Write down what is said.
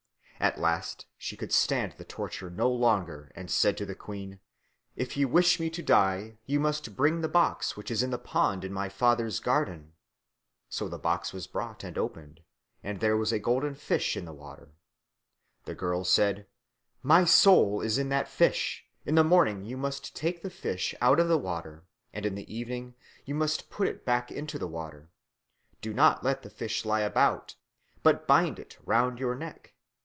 At last she could stand the torture no longer and said to the queen, "If you wish me to die, you must bring the box which is in the pond in my father's garden." So the box was brought and opened, and there was the golden fish in the water. The girl said, "My soul is in that fish. In the morning you must take the fish out of the water, and in the evening you must put it back into the water. Do not let the fish lie about, but bind it round your neck.